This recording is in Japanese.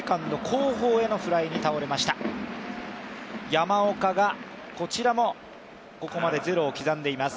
山岡が、こちらもここまでゼロを刻んでいます。